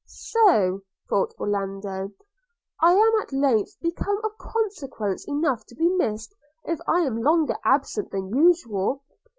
'So,' thought Orlando, 'I am at length become of consequence enough to be missed if I am longer absent than usual!